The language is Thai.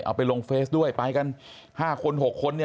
เอาไปลงเฟซด้วยไปกัน๕คน๖คนเนี่ย